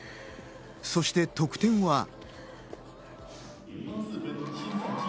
そして得点は。